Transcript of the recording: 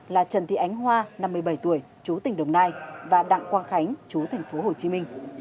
là trần thị ánh hoa năm mươi bảy tuổi chú tịnh đồng nai và đặng quang khánh chú tp hcm